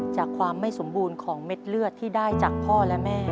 จากความไม่สมบูรณ์ของเม็ดเลือดที่ได้จากพ่อและแม่